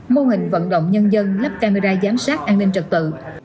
mô hình vận động nhân dân lắp camera giám sát an ninh trật tự